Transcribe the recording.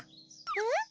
え？